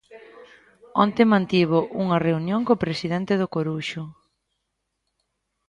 Onte mantivo unha reunión co presidente do Coruxo.